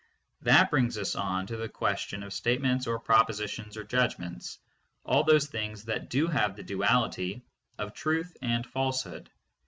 That brings us on to the question of statements or propositions or judgments, all those things that do have the duality of truth and falsehood.